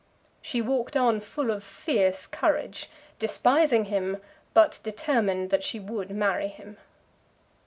She walked on full of fierce courage, despising him, but determined that she would marry him.